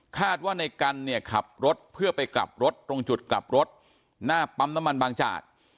ว่าในกันเนี่ยขับรถเพื่อไปกลับรถตรงจุดกลับรถหน้าปั๊มน้ำมันบางจาก